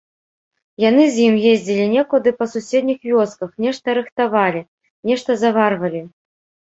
Яны з ім ездзілі некуды па суседніх вёсках, нешта рыхтавалі, нешта заварвалі.